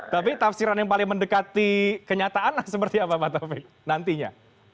tapi tafsiran yang paling mendekati kenyataan seperti apa pak taufik nantinya